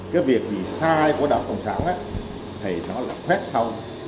cái việc sai của đảng cộng sản thì nó khuét xong